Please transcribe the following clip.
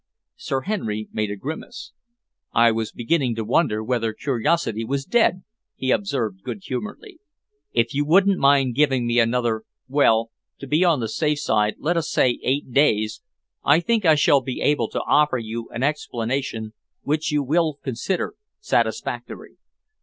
Sir Henry made a grimace. "I was beginning to wonder whether curiosity was dead," he observed good humouredly. "If you wouldn't mind giving me another well, to be on the safe side let us say eight days I think I shall be able to offer you an explanation which you will consider satisfactory."